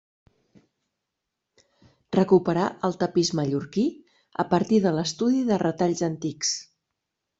Recuperà el tapís mallorquí a partir de l'estudi de retalls antics.